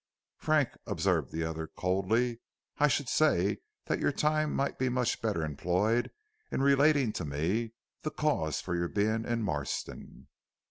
"Frank," observed the other, coldly, "I should say that your time might be much better employed in relating to me the cause for your being in Marston."